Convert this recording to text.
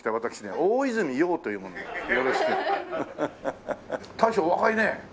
大将若いね。